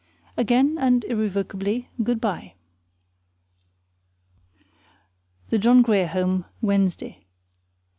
Again, and irrevocably, good by! THE JOHN GRIER HOME, Wednesday.